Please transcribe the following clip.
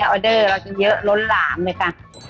ออเดอร์เราก็เยอะล้นหลามเลยค่ะ